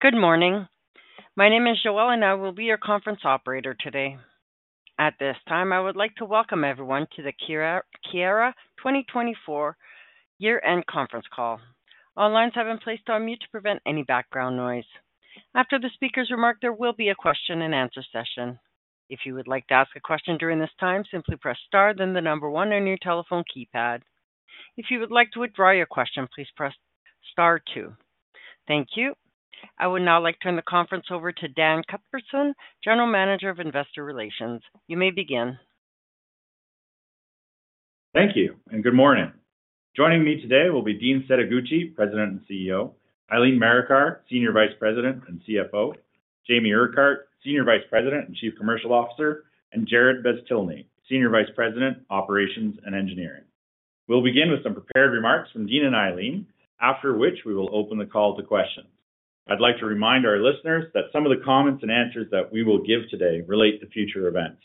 Good morning. My name is Joelle, and I will be your conference operator today. At this time, I would like to welcome everyone to the Keyera 2024 year-end conference call. All lines have been placed on mute to prevent any background noise. After the speakers' remarks, there will be a question-and-answer session. If you would like to ask a question during this time, simply press star, then the number one, on your telephone keypad. If you would like to withdraw your question, please press star two. Thank you. I would now like to turn the conference over to Dan Cuthbertson, General Manager of Investor Relations. You may begin. Thank you, and good morning. Joining me today will be Dean Setoguchi, President and CEO, Eileen Marikar, Senior Vice President and CFO, James Urquhart, Senior Vice President and Chief Commercial Officer, and Jarrod Beztilny, Senior Vice President, Operations and Engineering. We'll begin with some prepared remarks from Dean and Eileen, after which we will open the call to questions. I'd like to remind our listeners that some of the comments and answers that we will give today relate to future events.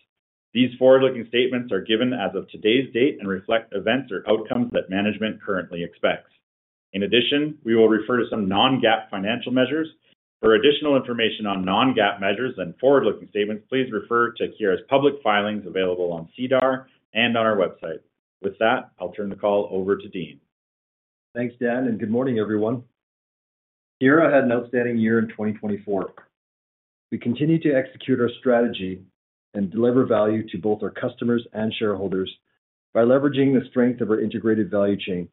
These forward-looking statements are given as of today's date and reflect events or outcomes that management currently expects. In addition, we will refer to some non-GAAP financial measures. For additional information on non-GAAP measures and forward-looking statements, please refer to Keyera's public filings available on SEDAR and on our website. With that, I'll turn the call over to Dean. Thanks, Dan, and good morning, everyone. Keyera had an outstanding year in 2024. We continue to execute our strategy and deliver value to both our customers and shareholders by leveraging the strength of our integrated value chain.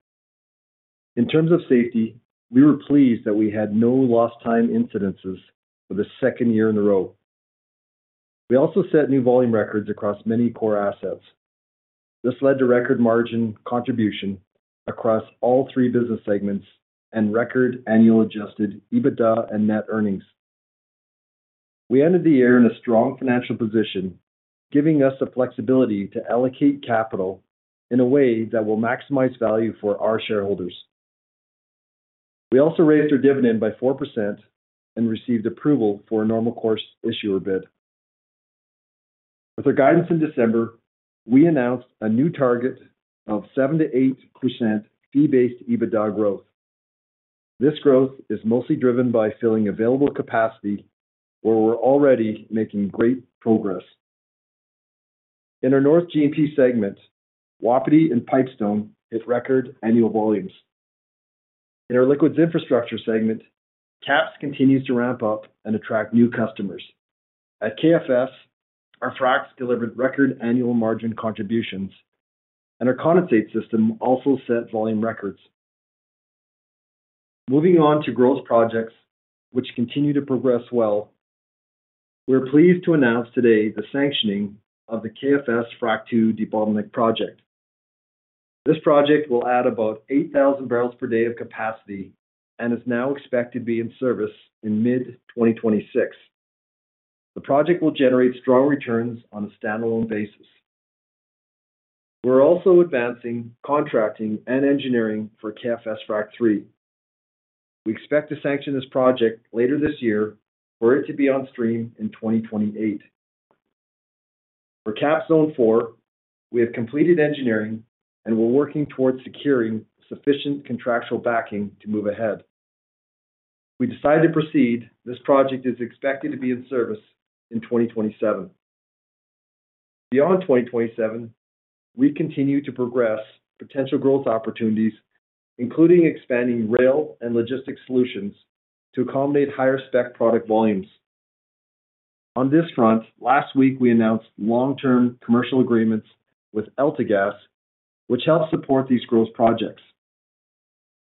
In terms of safety, we were pleased that we had no lost-time incidents for the second year in a row. We also set new volume records across many core assets. This led to record margin contribution across all three business segments and record annual adjusted EBITDA and net earnings. We ended the year in a strong financial position, giving us the flexibility to allocate capital in a way that will maximize value for our shareholders. We also raised our dividend by 4% and received approval for a normal course issuer bid. With our guidance in December, we announced a new target of 7% to 8% fee based EBITDA growth. This growth is mostly driven by filling available capacity, where we're already making great progress. In our Gathering and Processing segment, Wapiti and Pipestone hit record annual volumes. In our liquids infrastructure segment, KAPS continues to ramp up and attract new customers. At KFS, our fracs delivered record annual margin contributions, and our condensate system also set volume records. Moving on to growth projects, which continue to progress well, we're pleased to announce today the sanctioning of the KFS Frac II debottleneck project. This project will add about 8,000 barrels per day of capacity and is now expected to be in service in mid-2026. The project will generate strong returns on a standalone basis. We're also advancing contracting and engineering for KFS Frac III. We expect to sanction this project later this year for it to be on stream in 2028. For KAPS Zone 4, we have completed engineering, and we're working towards securing sufficient contractual backing to move ahead. We decided to proceed. This project is expected to be in service in 2027. Beyond 2027, we continue to progress potential growth opportunities, including expanding rail and logistics solutions to accommodate higher-spec product volumes. On this front, last week we announced long-term commercial agreements with AltaGas, which helps support these growth projects.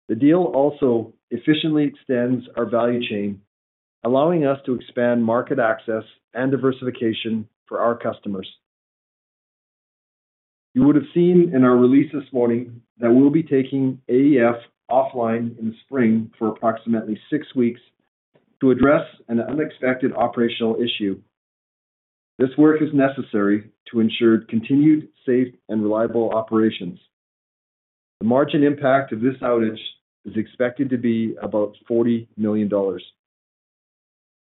The deal also efficiently extends our value chain, allowing us to expand market access and diversification for our customers. You would have seen in our release this morning that we'll be taking AEF offline in the spring for approximately six weeks to address an unexpected operational issue. This work is necessary to ensure continued safe and reliable operations. The margin impact of this outage is expected to be about 40 million dollars.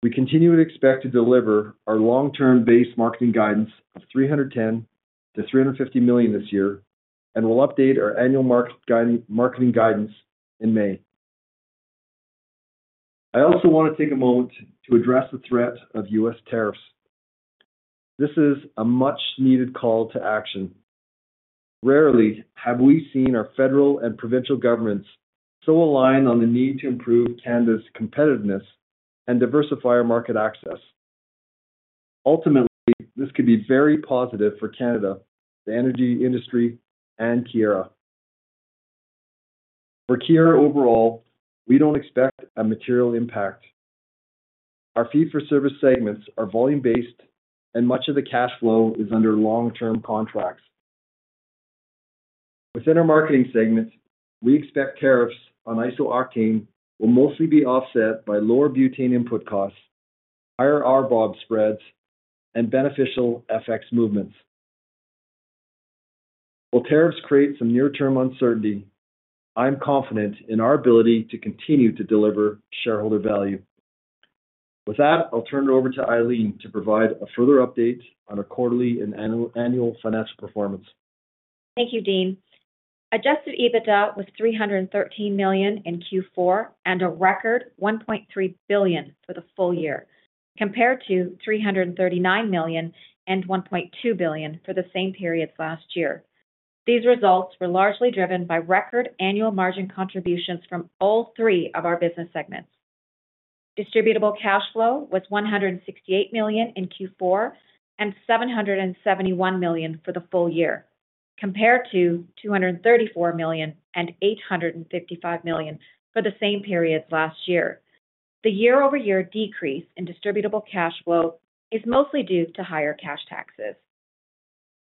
We continue to expect to deliver our long-term base marketing guidance of 310 to 350 million this year and will update our annual marketing guidance in May. I also want to take a moment to address the threat of US tariffs. This is a much-needed call to action. Rarely have we seen our federal and provincial governments so align on the need to improve Canada's competitiveness and diversify our market access. Ultimately, this could be very positive for Canada, the energy industry, and Keyera. For Keyera overall, we don't expect a material impact. Our fee-for-service segments are volume-based, and much of the cash flow is under long-term contracts. Within our marketing segment, we expect tariffs on iso-octane will mostly be offset by lower butane input costs, higher RBOB spreads, and beneficial FX movements. While tariffs create some near-term uncertainty, I'm confident in our ability to continue to deliver shareholder value. With that, I'll turn it over to Eileen to provide a further update on our quarterly and annual financial performance. Thank you, Dean. Adjusted EBITDA was CAD 313 million in Q4 and a record CAD 1.3 billion for the full year, compared to CAD 339 million and CAD 1.2 billion for the same period last year. These results were largely driven by record annual margin contributions from all three of our business segments. Distributable cash flow was CAD 168 million in Q4 and CAD 771 million for the full year, compared to CAD 234 million and CAD 855 million for the same period last year. The year-over-year decrease in distributable cash flow is mostly due to higher cash taxes.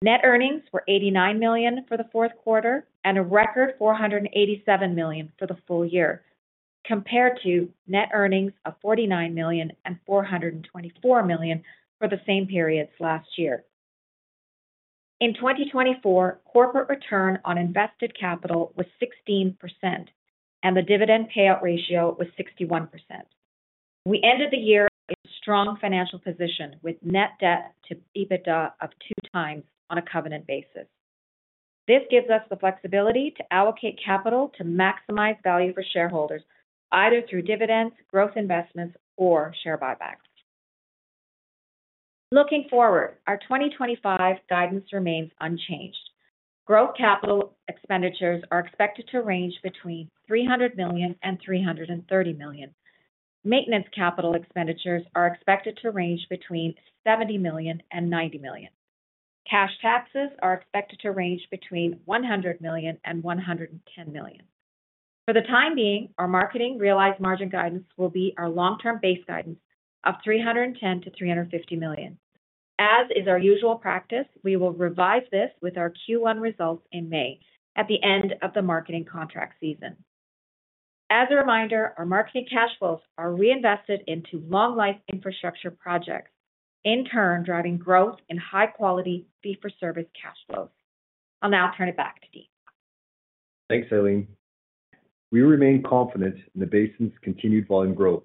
Net earnings were 89 million for the fourth quarter and a record 487 million for the full year, compared to net earnings of 49 million and 424 million for the same period last year. In 2024, corporate return on invested capital was 16%, and the dividend payout ratio was 61%. We ended the year in a strong financial position with Net Debt to EBITDA of two times on a covenant basis. This gives us the flexibility to allocate capital to maximize value for shareholders, either through dividends, growth investments, or share buybacks. Looking forward, our 2025 guidance remains unchanged. Growth capital expenditures are expected to range between 300 million and 330 million. Maintenance capital expenditures are expected to range between 70 million and 90 million. Cash taxes are expected to range between 100 million and 110 million. For the time being, our marketing realized margin guidance will be our long-term base guidance of 310 to 350 million. As is our usual practice, we will revise this with our Q1 results in May at the end of the marketing contract season. As a reminder, our marketing cash flows are reinvested into long-life infrastructure projects, in turn driving growth in high-quality fee-for-service cash flows. I'll now turn it back to Dean. Thanks, Eileen. We remain confident in the basin's continued volume growth.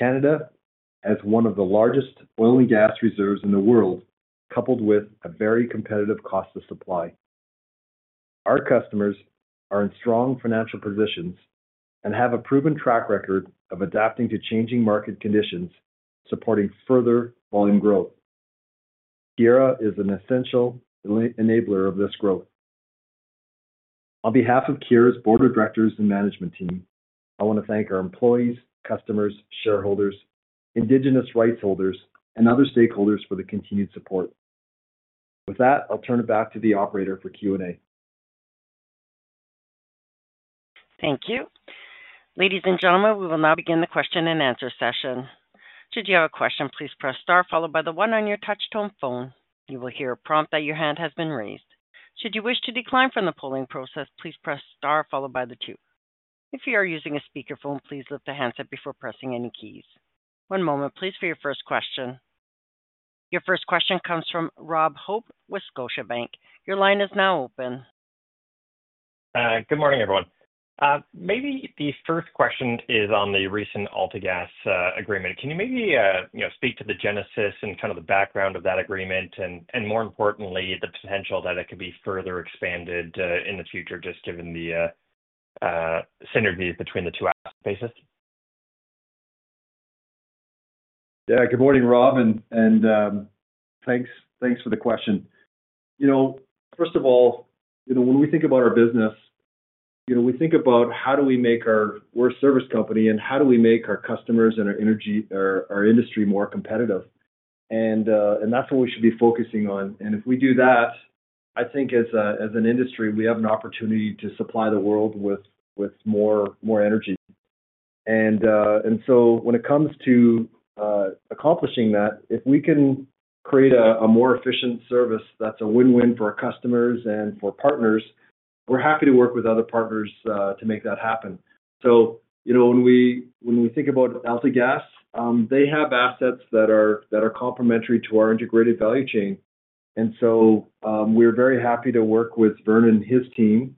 Canada, as one of the largest oil and gas reserves in the world, coupled with a very competitive cost of supply. Our customers are in strong financial positions and have a proven track record of adapting to changing market conditions, supporting further volume growth. Keyera is an essential enabler of this growth. On behalf of Keyera's Board of Directors and Management Team, I want to thank our employees, customers, shareholders, Indigenous rights holders, and other stakeholders for the continued support. With that, I'll turn it back to the operator for Q&A. Thank you. Ladies and gentlemen, we will now begin the question-and-answer session. Should you have a question, please press star, followed by the one on your touch-tone phone. You will hear a prompt that your hand has been raised. Should you wish to decline from the polling process, please press star, followed by the two. If you are using a speakerphone, please lift the handset before pressing any keys. One moment, please, for your first question. Your first question comes from Rob Hope with Scotiabank. Your line is now open. Good morning, everyone. Maybe the first question is on the recent AltaGas agreement. Can you maybe speak to the genesis and kind of the background of that agreement, and more importantly, the potential that it could be further expanded in the future, just given the synergies between the two asset bases? Yeah, good morning, Rob, and thanks for the question. You know, first of all, you know when we think about our business, you know we think about how do we make our—we're a service company, and how do we make our customers and our industry more competitive? And that's what we should be focusing on. And if we do that, I think as an industry, we have an opportunity to supply the world with more energy. And so when it comes to accomplishing that, if we can create a more efficient service that's a win-win for our customers and for partners, we're happy to work with other partners to make that happen. So when we think about AltaGas, they have assets that are complementary to our integrated value chain. And so we're very happy to work with Vern and his team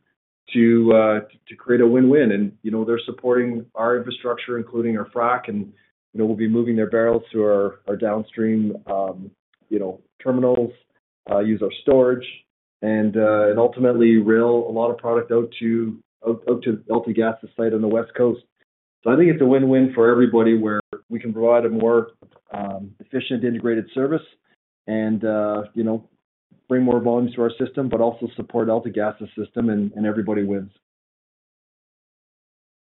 to create a win-win. And they're supporting our infrastructure, including our FRAC, and we'll be moving their barrels to our downstream terminals, use our storage, and ultimately rail a lot of product out to AltaGas, the site on the West Coast. So I think it's a win-win for everybody where we can provide a more efficient integrated service and bring more volume to our system, but also support AltaGas's system, and everybody wins.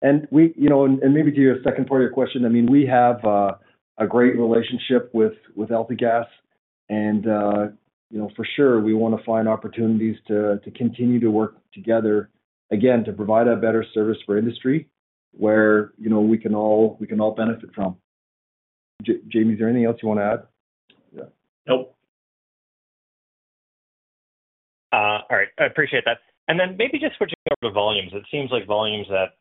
And maybe to your second part of your question, I mean, we have a great relationship with AltaGas, and for sure, we want to find opportunities to continue to work together, again, to provide a better service for industry where we can all benefit from., is there anything else you want to add? Nope. All right. I appreciate that. And then maybe just switching over to volumes, it seems like volumes at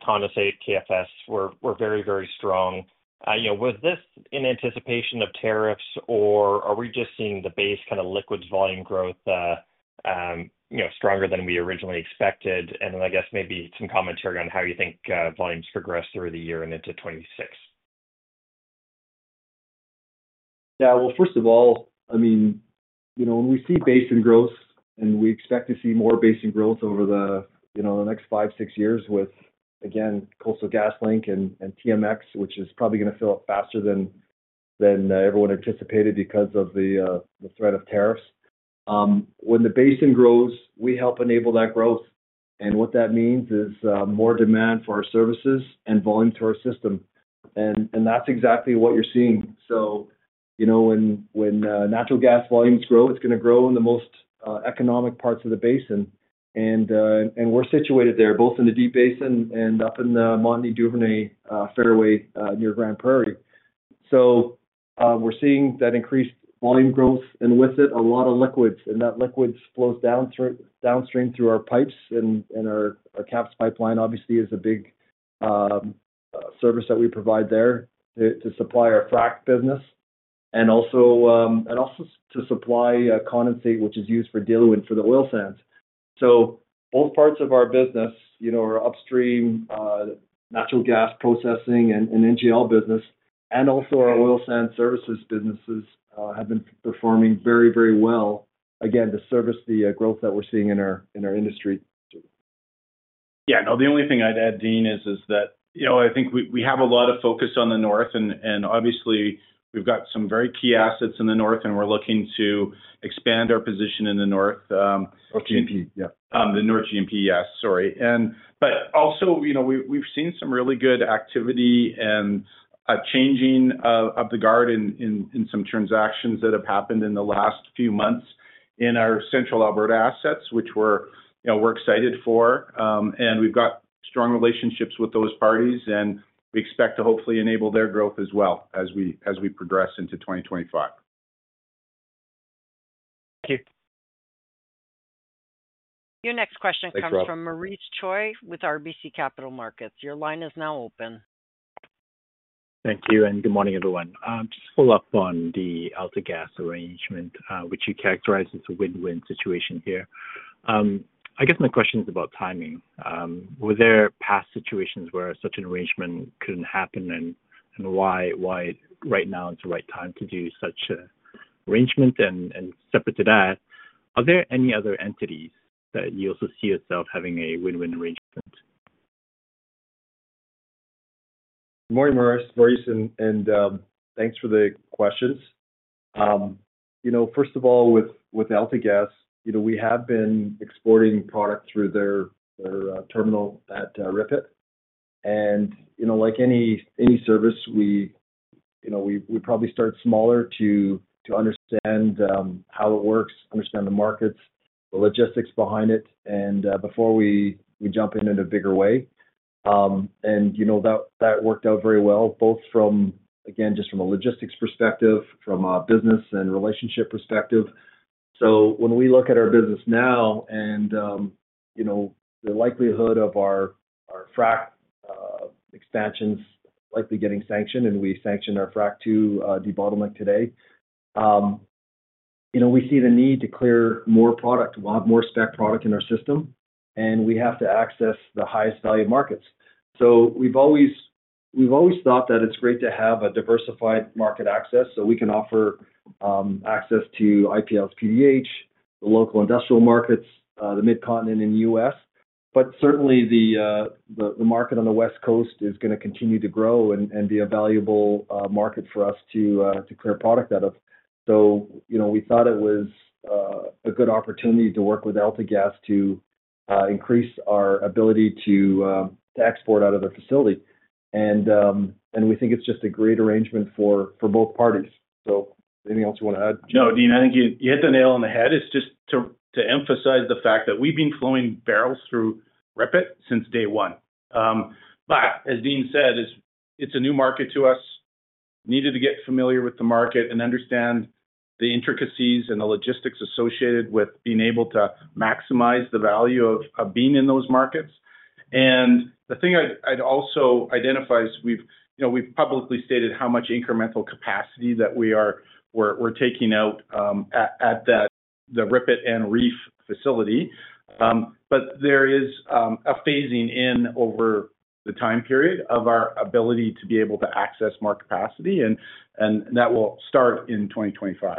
condensate KFS were very, very strong. Was this in anticipation of tariffs, or are we just seeing the base kind of liquids volume growth stronger than we originally expected? And then I guess maybe some commentary on how you think volumes progress through the year and into 2026. Yeah, well, first of all, I mean, when we see basin growth, and we expect to see more basin growth over the next five, six years with, again, Coastal GasLink and TMX, which is probably going to fill up faster than everyone anticipated because of the threat of tariffs. When the basin grows, we help enable that growth. And what that means is more demand for our services and volume to our system. And that's exactly what you're seeing. So when natural gas volumes grow, it's going to grow in the most economic parts of the basin. And we're situated there, both in the Deep Basin and up in the Montney-Duvernay Fairway near Grande Prairie. So we're seeing that increased volume growth, and with it, a lot of liquids. That liquids flows downstream through our pipes, and our CAPS pipeline, obviously, is a big service that we provide there to supply our FRAC business and also to supply Condensate, which is used for dealing with the oil sands. So both parts of our business, our upstream natural gas processing and NGL business, and also our oil sand services businesses have been performing very, very well, again, to service the growth that we're seeing in our industry. Yeah, no, the only thing I'd add, Dean, is that I think we have a lot of focus on the north, and obviously, we've got some very key assets in the north, and we're looking to expand our position in the north. North GNP, yeah. The North Montney, yes, sorry, but also, we've seen some really good activity and changing of the guard in some transactions that have happened in the last few months in our Central Alberta assets, which we're excited for, and we've got strong relationships with those parties, and we expect to hopefully enable their growth as well as we progress into 2025. Thank you. Your next question comes from Maurice Choi with RBC Capital Markets. Your line is now open. Thank you, and good morning, everyone. Just to follow up on the AltaGas arrangement, which you characterize as a win-win situation here. I guess my question is about timing. Were there past situations where such an arrangement couldn't happen, and why right now is the right time to do such an arrangement? And separate to that, are there any other entities that you also see yourself having a win-win arrangement? Good morning, Maurice, and thanks for the questions. First of all, with AltaGas, we have been exporting product through their terminal at RIPET. Like any service, we probably start smaller to understand how it works, understand the markets, the logistics behind it, and before we jump in in a bigger way. That worked out very well, both from, again, just from a logistics perspective, from a business and relationship perspective. When we look at our business now, and the likelihood of our FRAC expansions likely getting sanctioned, and we sanctioned our FRAC 2 debottleneck today, we see the need to clear more product. We'll have more spec product in our system, and we have to access the highest value markets. So we've always thought that it's great to have a diversified market access so we can offer access to IPLS PDH, the local industrial markets, the Mid-Continent, and US. But certainly, the market on the West Coast is going to continue to grow and be a valuable market for us to clear product out of. So we thought it was a good opportunity to work with AltaGas to increase our ability to export out of the facility. And we think it's just a great arrangement for both parties. So anything else you want to add? No, Dean, I think you hit the nail on the head. It's just to emphasize the fact that we've been flowing barrels through RIPET since day one. But as Dean said, it's a new market to us. We needed to get familiar with the market and understand the intricacies and the logistics associated with being able to maximize the value of being in those markets. And the thing I'd also identify is we've publicly stated how much incremental capacity that we are taking out at the RIPET and KFS facility. But there is a phasing in over the time period of our ability to be able to access more capacity, and that will start in 2025.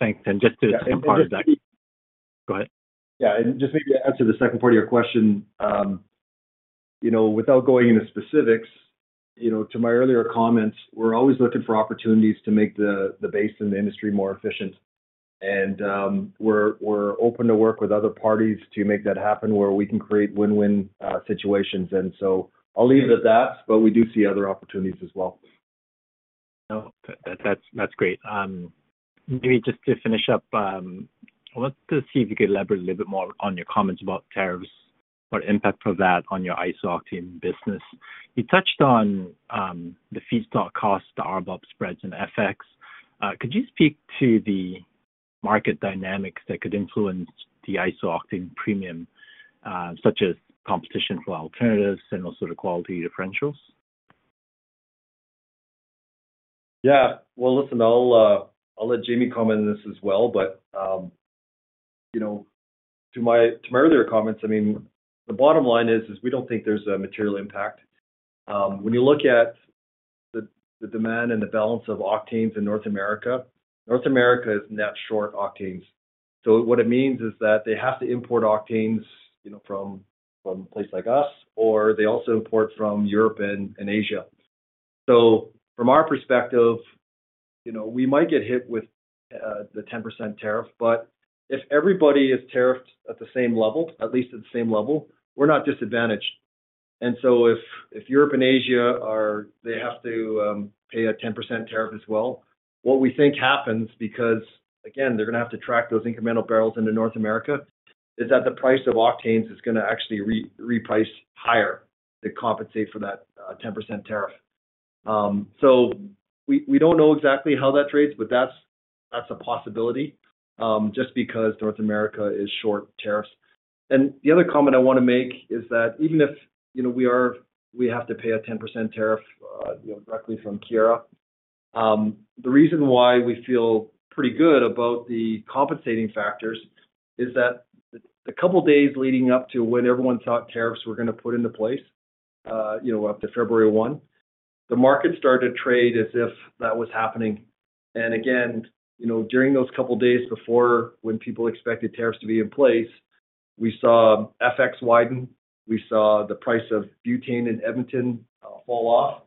Thanks. And just to impart that. That second part. Go ahead. Yeah, and just maybe to answer the second part of your question, without going into specifics, to my earlier comments, we're always looking for opportunities to make the base in the industry more efficient. And we're open to work with other parties to make that happen where we can create win-win situations. And so I'll leave it at that, but we do see other opportunities as well. No, that's great. Maybe just to finish up, I want to see if you could elaborate a little bit more on your comments about tariffs, what impact of that on your iso-octane business. You touched on the feedstock cost, the RBOB spreads, and FX. Could you speak to the market dynamics that could influence the iso-octane premium, such as competition for alternatives and also the quality differentials? Yeah. Well, listen, I'll let James comment on this as well. But to my earlier comments, I mean, the bottom line is we don't think there's a material impact. When you look at the demand and the balance of octanes in North America, North America is net short octanes. So what it means is that they have to import octanes from a place like us, or they also import from Europe and Asia. So from our perspective, we might get hit with the 10% tariff, but if everybody is tariffed at the same level, at least at the same level, we're not disadvantaged. And so if Europe and Asia, they have to pay a 10% tariff as well, what we think happens because, again, they're going to have to track those incremental barrels into North America, is that the price of octanes is going to actually reprice higher to compensate for that 10% tariff. So we don't know exactly how that trades, but that's a possibility just because North America is short tariffs. And the other comment I want to make is that even if we have to pay a 10% tariff directly from Keyera, the reason why we feel pretty good about the compensating factors is that the couple of days leading up to when everyone thought tariffs were going to put into place up to February 1, the market started to trade as if that was happening. And again, during those couple of days before when people expected tariffs to be in place, we saw FX widen. We saw the price of butane and Edmonton fall off.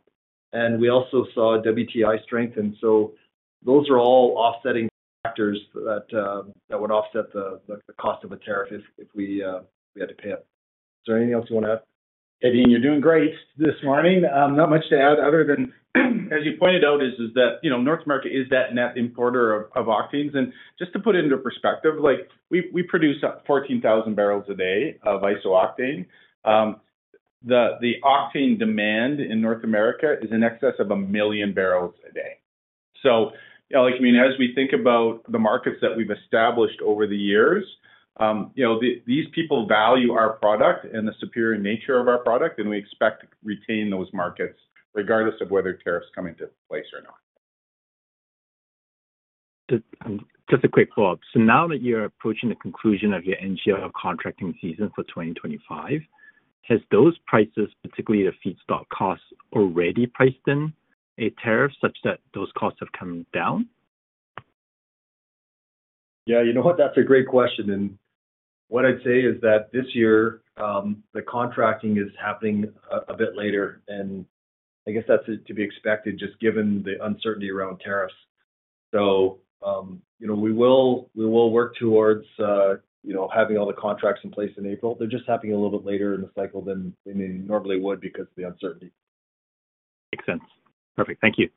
And we also saw WTI strengthen. So those are all offsetting factors that would offset the cost of a tariff if we had to pay it. Is there anything else you want to add? Hey, Dean, you're doing great this morning. Not much to add other than, as you pointed out, that North America is a net importer of octanes. And just to put it into perspective, we produce 14,000 barrels a day of iso-octane. The octane demand in North America is in excess of a million barrels a day. So I mean, as we think about the markets that we've established over the years, these people value our product and the superior nature of our product, and we expect to retain those markets regardless of whether tariffs come into place or not. Just a quick follow-up. So now that you're approaching the conclusion of your NGL contracting season for 2025, have those prices, particularly the feedstock costs, already priced in a tariff such that those costs have come down? Yeah, you know what? That's a great question. And what I'd say is that this year, the contracting is happening a bit later. And I guess that's to be expected just given the uncertainty around tariffs. So we will work towards having all the contracts in place in April. They're just happening a little bit later in the cycle than they normally would because of the uncertainty. Makes sense. Perfect. Thank you.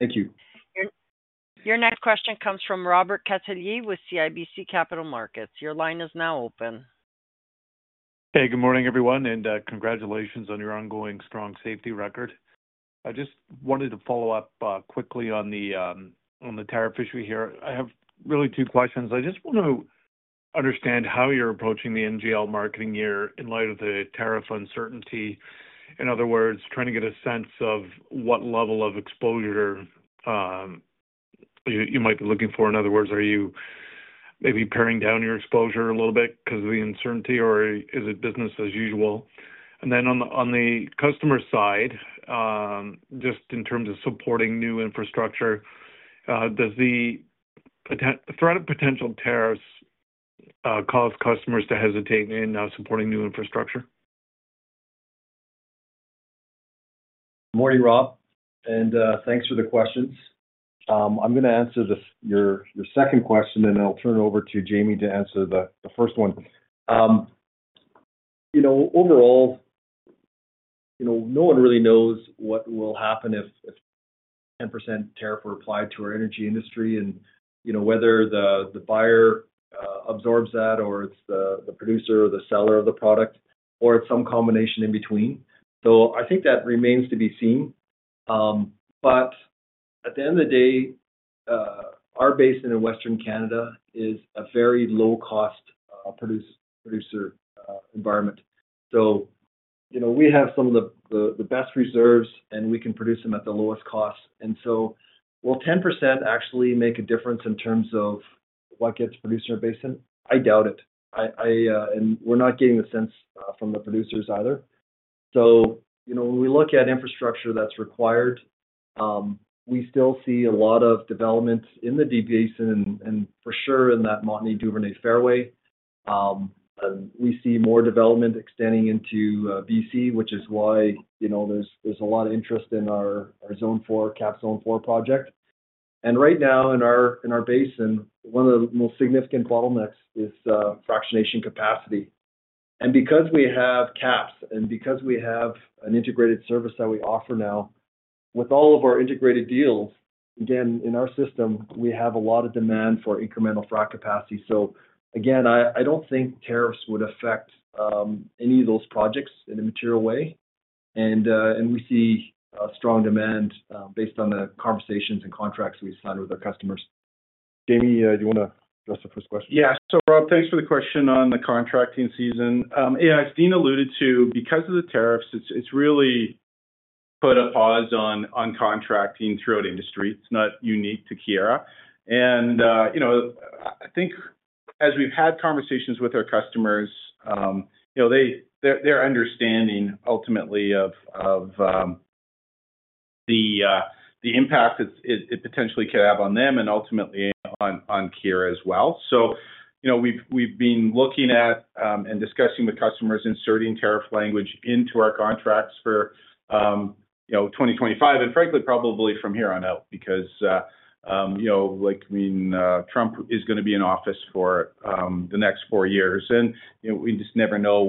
Thank you. Your next question comes from Robert Catellier with CIBC Capital Markets. Your line is now open. Hey, good morning, everyone, and congratulations on your ongoing strong safety record. I just wanted to follow up quickly on the tariff issue here. I have really two questions. I just want to understand how you're approaching the NGL marketing year in light of the tariff uncertainty. In other words, trying to get a sense of what level of exposure you might be looking for. In other words, are you maybe paring down your exposure a little bit because of the uncertainty, or is it business as usual? And then on the customer side, just in terms of supporting new infrastructure, does the threat of potential tariffs cause customers to hesitate in supporting new infrastructure? Good morning, Rob, and thanks for the questions. I'm going to answer your second question, and I'll turn it over to James to answer the first one. Overall, no one really knows what will happen if 10% tariff were applied to our energy industry and whether the buyer absorbs that or it's the producer or the seller of the product or it's some combination in between, so I think that remains to be seen, but at the end of the day, our base in Western Canada is a very low-cost producer environment, so we have some of the best reserves, and we can produce them at the lowest cost, and so, will 10% actually make a difference in terms of what gets produced in our basin? I doubt it, and we're not getting the sense from the producers either. So when we look at infrastructure that's required, we still see a lot of development in the Deep Basin and for sure in that Montney-Duvernay fairway. We see more development extending into BC, which is why there's a lot of interest in our Zone 4, KAPS Zone 4 project. And right now, in our basin, one of the most significant bottlenecks is fractionation capacity. And because we have KAPS and because we have an integrated service that we offer now, with all of our integrated deals, again, in our system, we have a lot of demand for incremental frac capacity. So again, I don't think tariffs would affect any of those projects in a material way. And we see strong demand based on the conversations and contracts we've signed with our customers. James, do you want to address the first question? Yeah. So Rob, thanks for the question on the contracting season. Yeah, as Dean alluded to, because of the tariffs, it's really put a pause on contracting throughout industry. It's not unique to Keyera. And I think as we've had conversations with our customers, they're understanding ultimately of the impact it potentially could have on them and ultimately on Keyera as well. So we've been looking at and discussing with customers inserting tariff language into our contracts for 2025 and frankly, probably from here on out because, like I mean, Trump is going to be in office for the next four years. And we just never know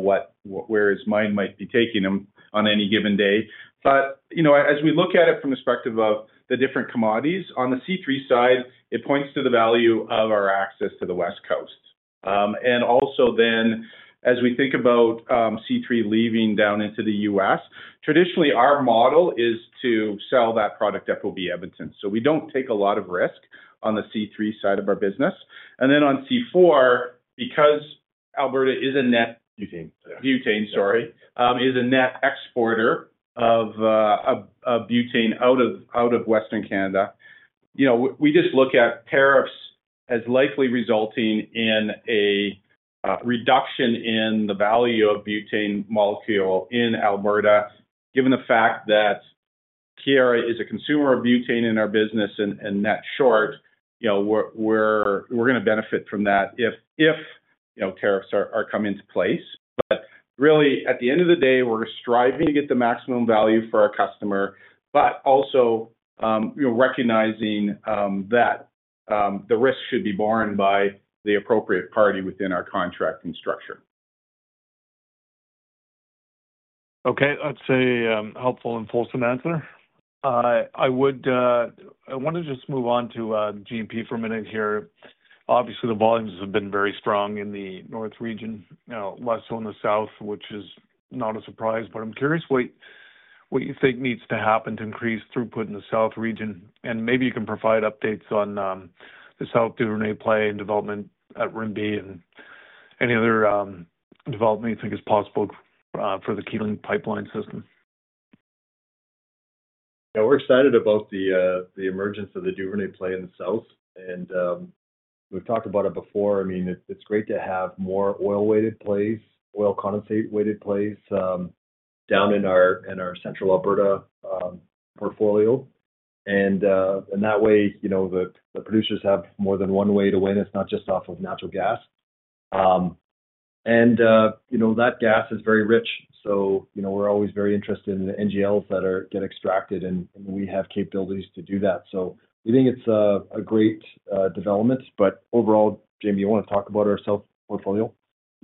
where his mind might be taking him on any given day. But as we look at it from the perspective of the different commodities, on the C3 side, it points to the value of our access to the West Coast. And also then, as we think about C3 leaving down into the US, traditionally, our model is to sell that product that will be Edmonton. So we don't take a lot of risk on the C3 side of our business. And then on C4, because Alberta is a net butane, sorry, is a net exporter of butane out of Western Canada, we just look at tariffs as likely resulting in a reduction in the value of butane molecule in Alberta, given the fact that Keyera is a consumer of butane in our business and net short, we're going to benefit from that if tariffs are come into place. But really, at the end of the day, we're striving to get the maximum value for our customer, but also recognizing that the risk should be borne by the appropriate party within our contracting structure. Okay. That's a helpful and fulsome answer. I want to just move on to G and P for a minute here. Obviously, the volumes have been very strong in the North region, less so in the South, which is not a surprise. But I'm curious what you think needs to happen to increase throughput in the South region. And maybe you can provide updates on the South Duvernay play and development at Rimbey and any other development you think is possible for the KGL pipeline system. Yeah, we're excited about the emergence of the Duvernay Play in the South. And we've talked about it before. I mean, it's great to have more oil-weighted plays, oil condensate-weighted plays down in our Central Alberta portfolio. And that way, the producers have more than one way to win. It's not just off of natural gas. And that gas is very rich. So we're always very interested in the NGLs that get extracted, and we have capabilities to do that. So we think it's a great development. But overall, James, you want to talk about our South portfolio?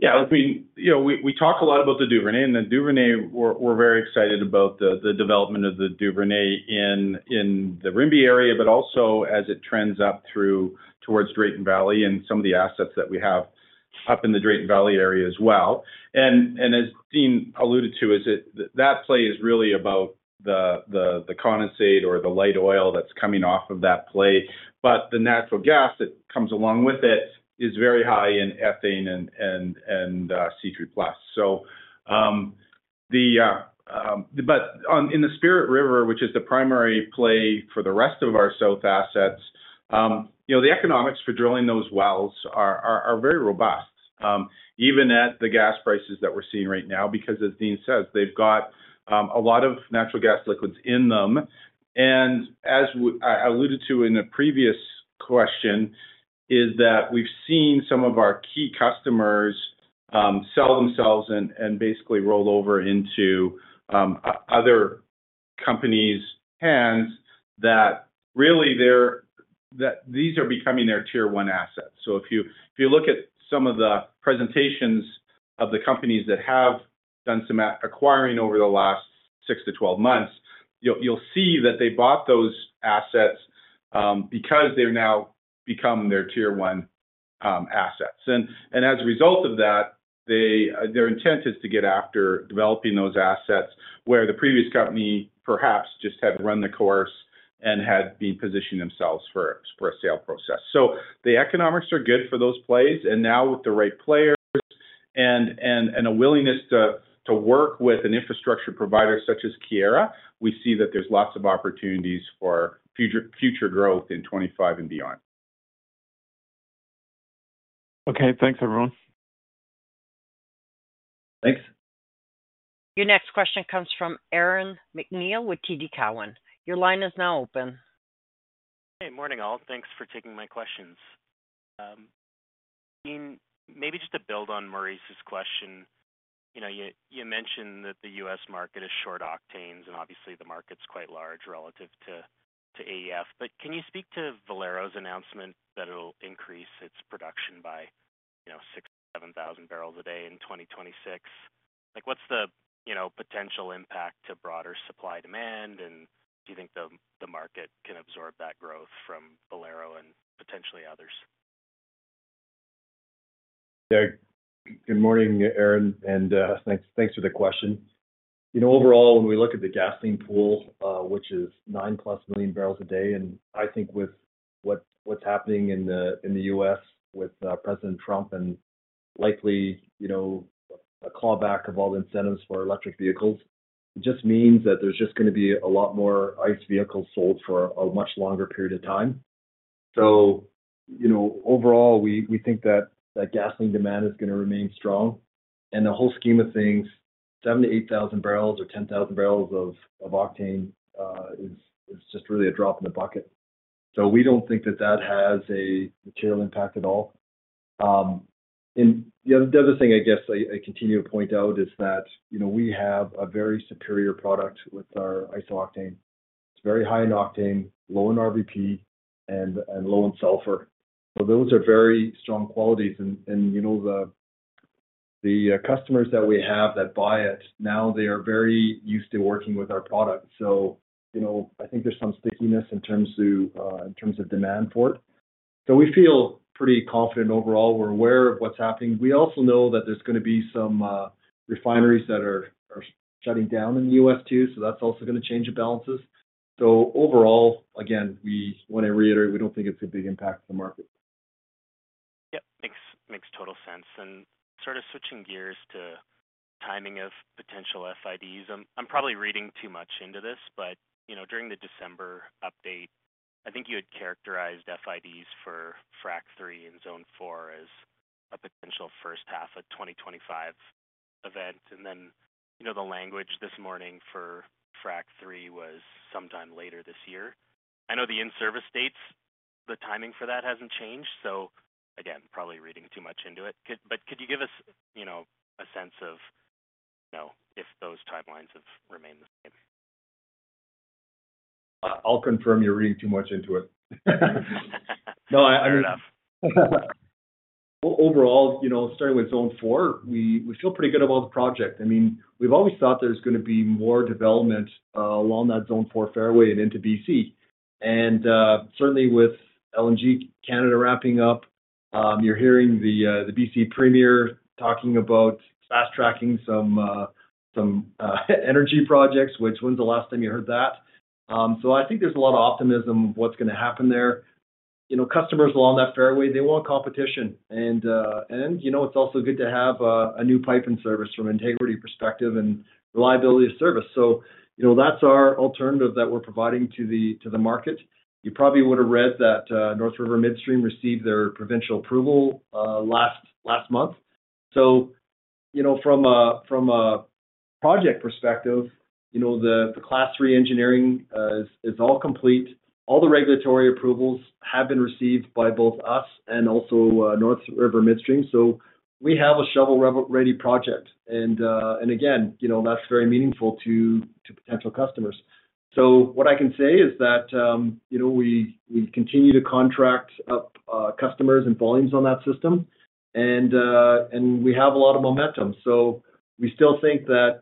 Yeah. I mean, we talk a lot about the Duvernay. And the Duvernay, we're very excited about the development of the Duvernay in the Rimbey area, but also as it trends up towards Drayton Valley and some of the assets that we have up in the Drayton Valley area as well. And as Dean alluded to, that play is really about the condensate or the light oil that's coming off of that play. But the natural gas that comes along with it is very high in ethane and C3+. But in the Spirit River, which is the primary play for the rest of our South assets, the economics for drilling those wells are very robust, even at the gas prices that we're seeing right now, because as Dean says, they've got a lot of natural gas liquids in them. And as I alluded to in a previous question, is that we've seen some of our key customers sell themselves and basically roll over into other companies' hands that really these are becoming their tier one assets. So if you look at some of the presentations of the companies that have done some acquiring over the last six to 12 months, you'll see that they bought those assets because they've now become their tier one assets. And as a result of that, their intent is to get after developing those assets where the previous company perhaps just had run the course and had been positioning themselves for a sale process. So the economics are good for those plays. And now with the right players and a willingness to work with an infrastructure provider such as Keyera, we see that there's lots of opportunities for future growth in 2025 and beyond. Okay. Thanks, everyone. Thanks. Your next question comes from Aaron MacNeil with TD Cowen. Your line is now open. Hey, morning, all. Thanks for taking my questions. Dean, maybe just to build on Maurice's question, you mentioned that the US market is short octanes, and obviously, the market's quite large relative to AEF. But can you speak to Valero's announcement that it'll increase its production by 6,000 to 7,000 barrels a day in 2026? What's the potential impact to broader supply demand, and do you think the market can absorb that growth from Valero and potentially others? Good morning, Aaron. And thanks for the question. Overall, when we look at the gasoline pool, which is nine plus million barrels a day, and I think with what's happening in the US with President Trump and likely a clawback of all the incentives for electric vehicles, it just means that there's just going to be a lot more ICE vehicles sold for a much longer period of time. So overall, we think that gasoline demand is going to remain strong. And the whole scheme of things, 7,000 to 8,000 barrels or 10,000 barrels of octane is just really a drop in the bucket. So we don't think that that has a material impact at all. And the other thing I guess I continue to point out is that we have a very superior product with our iso-octane. It's very high in octane, low in RVP, and low in sulfur. So those are very strong qualities. And the customers that we have that buy it, now they are very used to working with our product. So I think there's some stickiness in terms of demand for it. So we feel pretty confident overall. We're aware of what's happening. We also know that there's going to be some refineries that are shutting down in the US too. So that's also going to change the balances. So overall, again, we want to reiterate, we don't think it's a big impact on the market. Yep. Makes total sense. And sort of switching gears to the timing of potential FIDs. I'm probably reading too much into this, but during the December update, I think you had characterized FIDs for FRAC III and Zone 4 as a potential first half of 2025 event. And then the language this morning for FRAC III was sometime later this year. I know the in-service dates, the timing for that hasn't changed. So again, probably reading too much into it. But could you give us a sense of if those timelines have remained the same? I'll confirm you're reading too much into it. No, I don't. Fair enough. Overall, starting with Zone 4, we feel pretty good about the project. I mean, we've always thought there's going to be more development along that Zone 4 fairway and into BC. And certainly with LNG Canada wrapping up, you're hearing the BC Premier talking about fast-tracking some energy projects, which when's the last time you heard that? So I think there's a lot of optimism of what's going to happen there. Customers along that fairway, they want competition. And it's also good to have a new pipe in service from an integrity perspective and reliability of service. So that's our alternative that we're providing to the market. You probably would have read that North River Midstream received their provincial approval last month. So from a project perspective, the Class 3 engineering is all complete. All the regulatory approvals have been received by both us and also North River Midstream. We have a shovel-ready project. And again, that's very meaningful to potential customers. What I can say is that we continue to contract up customers and volumes on that system. And we have a lot of momentum. We still think that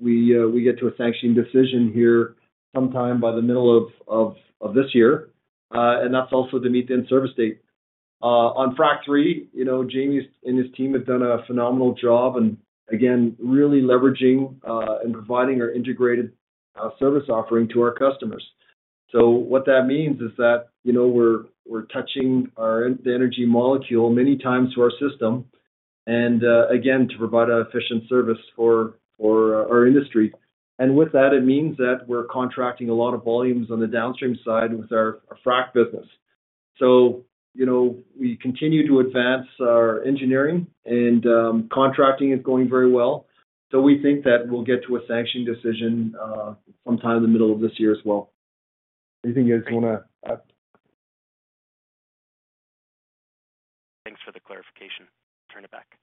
we get to a sanctioning decision here sometime by the middle of this year. And that's also to meet the in-service date. On FRAC III, James and his team have done a phenomenal job and again, really leveraging and providing our integrated service offering to our customers. What that means is that we're touching the energy molecule many times to our system. And again, to provide an efficient service for our industry. And with that, it means that we're contracting a lot of volumes on the downstream side with our frac business. We continue to advance our engineering, and contracting is going very well. So we think that we'll get to a sanctioning decision sometime in the middle of this year as well. Anything you guys want to add? Thanks for the clarification. I'll turn it back.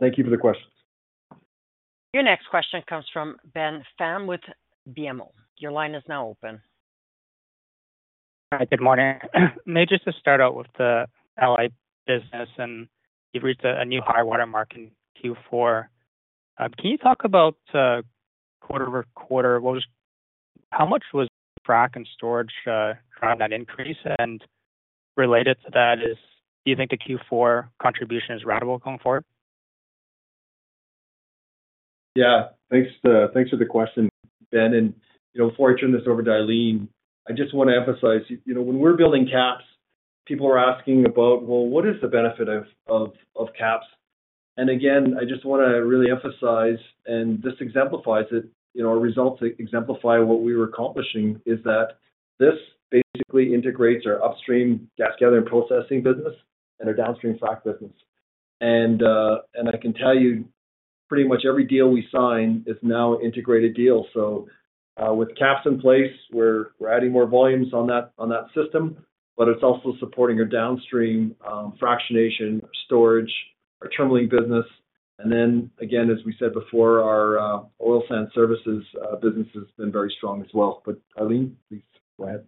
Thank you for the questions. Your next question comes from Ben Pham with BMO. Your line is now open. Hi. Good morning. Maybe just to start out with the AEF business, and you've reached a new high watermark in Q4. Can you talk about quarter-over-quarter, how much was the frac and storage driving that increase? And related to that, do you think the Q4 contribution is repeatable going forward? Yeah. Thanks for the question, Ben. And before I turn this over to Eileen, I just want to emphasize when we're building KAPS, people are asking about, well, what is the benefit of KAPS? And again, I just want to really emphasize, and this exemplifies it. Our results exemplify what we were accomplishing is that this basically integrates our upstream gas gathering processing business and our downstream frac business. And I can tell you pretty much every deal we sign is now an integrated deal. So with KAPS in place, we're adding more volumes on that system, but it's also supporting our downstream fractionation, our storage, our terminaling business. And then again, as we said before, our oil sand services business has been very strong as well. But Eileen, please go ahead.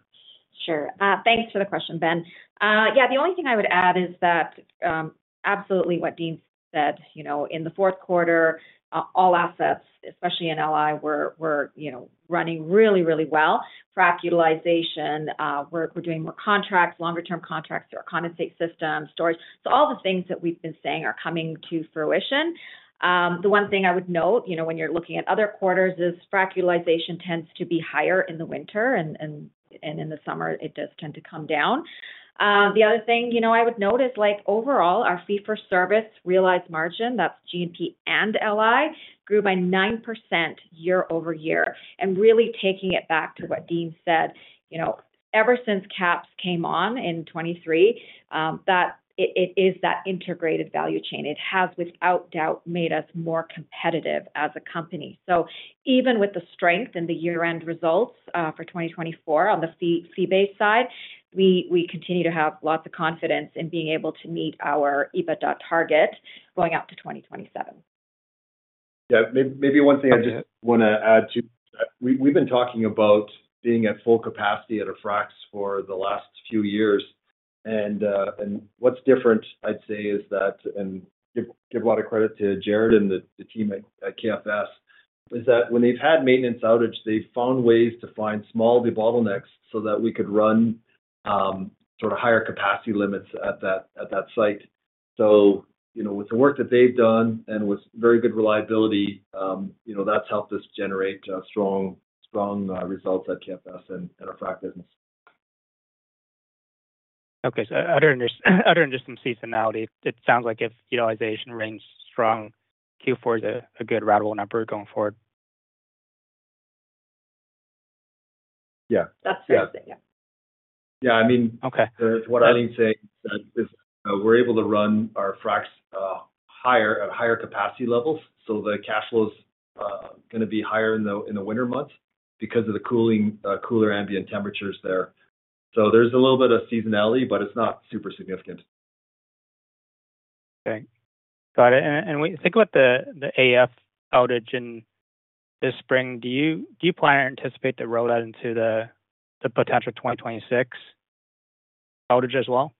Sure. Thanks for the question, Ben. Yeah, the only thing I would add is that absolutely what Dean said. In the Q4, all assets, especially in L&I, were running really, really well. FRAC utilization, we're doing more contracts, longer-term contracts through our condensate system, storage. So all the things that we've been saying are coming to fruition. The one thing I would note when you're looking at other quarters is FRAC utilization tends to be higher in the winter, and in the summer, it does tend to come down. The other thing I would note is overall, our fee-for-service realized margin, that's G&P and L&I, grew by 9% year-over- year. Really taking it back to what Dean said, ever since KAPS came on in 2023, that it is that integrated value chain. It has, without doubt, made us more competitive as a company. So even with the strength and the year-end results for 2024 on the fee-based side, we continue to have lots of confidence in being able to meet our EBITDA target going out to 2027. Yeah. Maybe one thing I just want to add too. We've been talking about being at full capacity at a frac for the last few years. And what's different, I'd say, is that, and give a lot of credit to Jarrod and the team at KFS, is that when they've had maintenance outages, they've found ways to find small bottlenecks so that we could run sort of higher capacity limits at that site. So with the work that they've done and with very good reliability, that's helped us generate strong results at KFS and our frac business. Okay, so other than just some seasonality, it sounds like if utilization remains strong, Q4 is a good roundable number going forward. Yeah. That's fascinating. Yeah. I mean, what Eileen's saying is that we're able to run our frac at higher capacity levels. So the cash flow is going to be higher in the winter months because of the cooler ambient temperatures there. So there's a little bit of seasonality, but it's not super significant. Okay. Got it. And when you think about the AEF outage in this spring, do you plan to anticipate the rollout into the potential 2026 outage as well?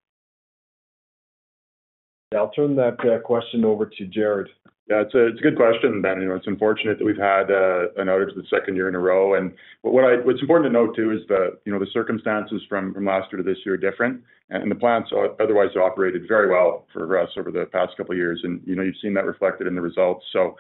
I'll turn that question over to Jarrod. Yeah. It's a good question, Ben. It's unfortunate that we've had an outage the second year in a row. And what's important to note too is that the circumstances from last year to this year are different. And the plants otherwise have operated very well for us over the past couple of years. And you've seen that reflected in the results. So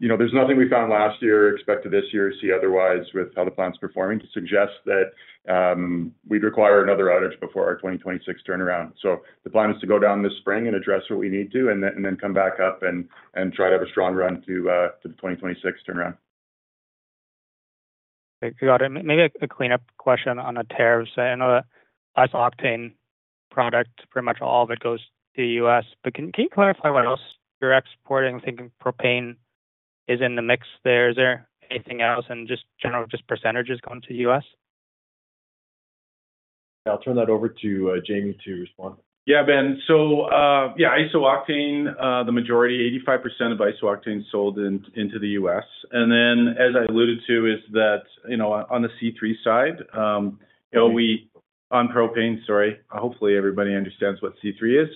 there's nothing we found last year expected this year to see otherwise with how the plant's performing to suggest that we'd require another outage before our 2026 turnaround. So the plan is to go down this spring and address what we need to, and then come back up and try to have a strong run through the 2026 turnaround. Thanks. Got it. Maybe a cleanup question on the tariffs. I know that iso-octane product, pretty much all of it goes to the US But can you clarify what else you're exporting? I'm thinking propane is in the mix there. Is there anything else? And just general, just percentages going to the U.S.? Yeah. I'll turn that over to James to respond. Yeah, Ben. So yeah, iso-octane, the majority, 85% of iso-octane sold into the U.S. And then as I alluded to, is that on the C3 side, on propane, sorry, hopefully everybody understands what C3 is,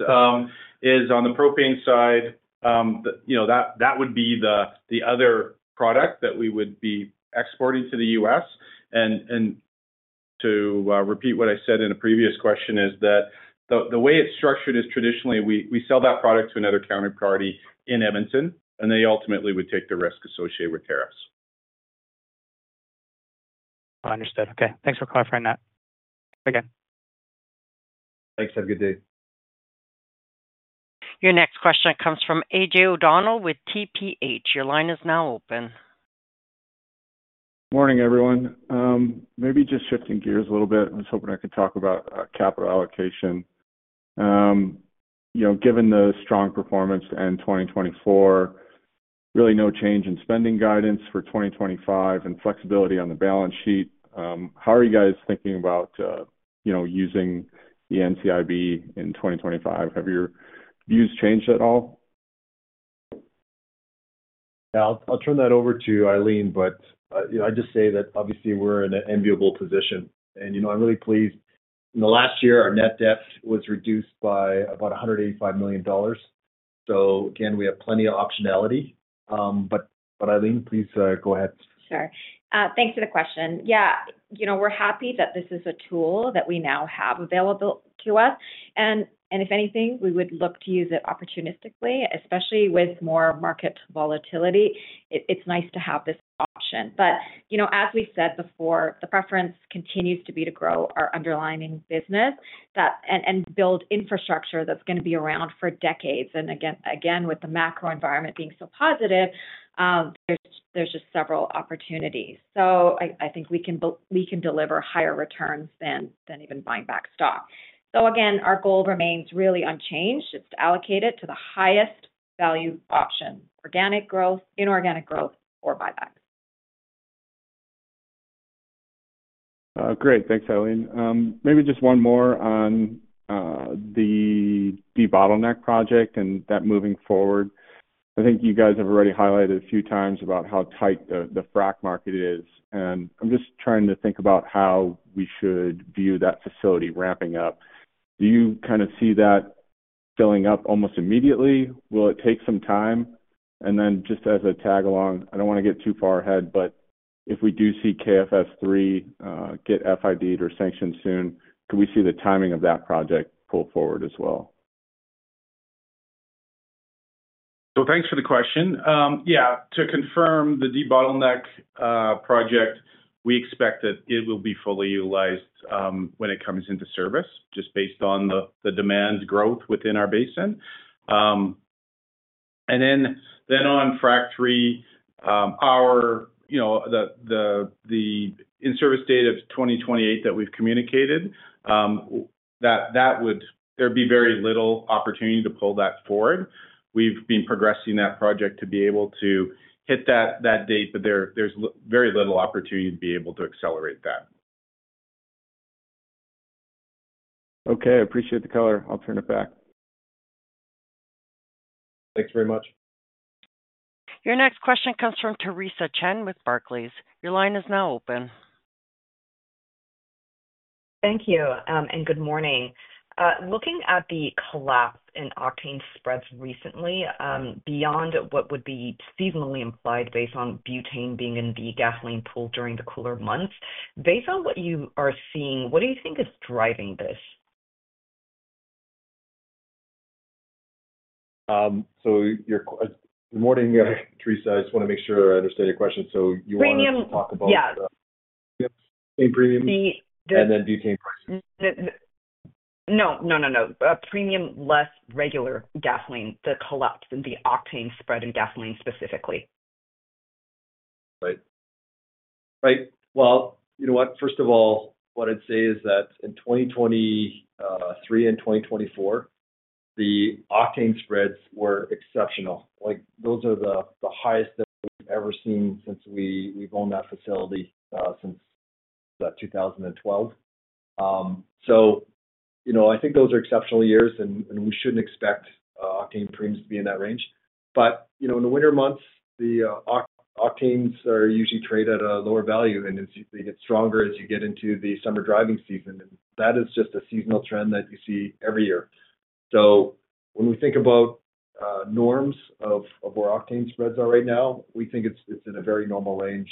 is on the propane side, that would be the other product that we would be exporting to the US. And to repeat what I said in a previous question is that the way it's structured is traditionally we sell that product to another counterparty in Edmonton, and they ultimately would take the risk associated with tariffs. Understood. Okay. Thanks for clarifying that. Thanks again. Thanks. Have a good day. Your next question comes from AJ O'Donnell with TPH. Your line is now open. Morning, everyone. Maybe just shifting gears a little bit. I was hoping I could talk about capital allocation. Given the strong performance in 2024, really no change in spending guidance for 2025 and flexibility on the balance sheet. How are you guys thinking about using the NCIB in 2025? Have your views changed at all? Yeah. I'll turn that over to Eileen, but I just say that obviously we're in an enviable position. And I'm really pleased. In the last year, our net debt was reduced by about 185 million dollars. So again, we have plenty of optionality. But Eileen, please go ahead. Sure. Thanks for the question. Yeah. We're happy that this is a tool that we now have available to us. And if anything, we would look to use it opportunistically, especially with more market volatility. It's nice to have this option. But as we said before, the preference continues to be to grow our underlying business and build infrastructure that's going to be around for decades. And again, with the macro environment being so positive, there's just several opportunities. So I think we can deliver higher returns than even buying back stock. So again, our goal remains really unchanged. It's to allocate it to the highest value option: organic growth, inorganic growth, or buybacks. Great. Thanks, Eileen. Maybe just one more on the debottleneck project and that moving forward. I think you guys have already highlighted a few times about how tight the frac market is. And I'm just trying to think about how we should view that facility ramping up. Do you kind of see that filling up almost immediately? Will it take some time? And then just as a tag along, I don't want to get too far ahead, but if we do see KFS III get FID-d or sanctioned soon, could we see the timing of that project pull forward as well? Thanks for the question. Yeah. To confirm the debottleneck project, we expect that it will be fully utilized when it comes into service, just based on the demand growth within our basin. Then on Frac 3, the in-service date of 2028 that we've communicated, there would be very little opportunity to pull that forward. We've been progressing that project to be able to hit that date, but there's very little opportunity to be able to accelerate that. Okay. I appreciate the color. I'll turn it back. Thanks very much. Your next question comes from Theresa Chen with Barclays. Your line is now open. Thank you. And good morning. Looking at the collapse in octane spreads recently, beyond what would be seasonally implied based on butane being in the gasoline pool during the cooler months, based on what you are seeing, what do you think is driving this? Good morning, Theresa. I just want to make sure I understand your question. So you want to talk about. Premium. Premium? And then butane prices? No, no, no, no. Premium less regular gasoline, the collapse in the octane spread and gasoline specifically. Right. Right. Well, you know what? First of all, what I'd say is that in 2023 and 2024, the octane spreads were exceptional. Those are the highest that we've ever seen since we've owned that facility since 2012. So I think those are exceptional years, and we shouldn't expect octane premiums to be in that range. But in the winter months, the octanes are usually traded at a lower value, and they get stronger as you get into the summer driving season. And that is just a seasonal trend that you see every year. So when we think about norms of where octane spreads are right now, we think it's in a very normal range,